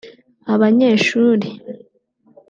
abanyeshuri